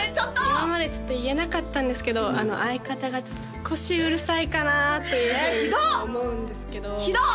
今まで言えなかったんですけど相方が少しうるさいかなというふうに思うんですけどひどっ！